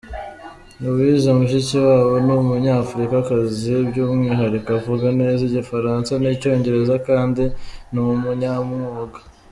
Louise Mushikiwabo ni Umunyafurikakazi, by’umwihariko uvuga neza Igifaransa n’Icyongereza, kandi ni umunyamwuga.